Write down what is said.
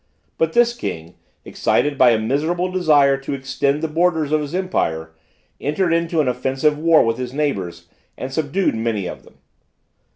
But this king excited by a miserable desire to extend the borders of his empire, entered into an offensive war with his neighbors, and subdued many of them.